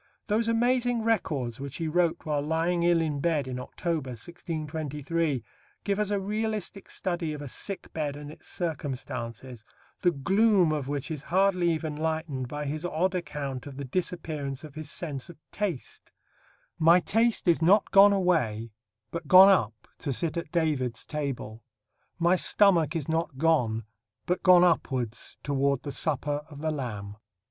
Those amazing records which he wrote while lying ill in bed in October, 1623, give us a realistic study of a sick bed and its circumstances, the gloom of which is hardly even lightened by his odd account of the disappearance of his sense of taste: "My taste is not gone away, but gone up to sit at David's table; my stomach is not gone, but gone upwards toward the Supper of the Lamb."